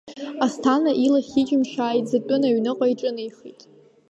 Асҭана илахь-иџьымшь ааиӡатәын, аҩныҟа иҿынеихеит.